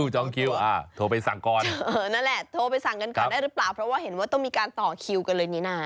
จองคนไปซั่งก่อนได้หรือเปล่าเพราะว่าต้องมีการต่อคิวกันเลยนะ